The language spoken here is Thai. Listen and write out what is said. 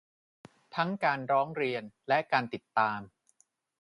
ทั้งการร้องเรียนและ การติดตาม